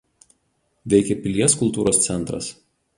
Veikia Pilies kultūros centras.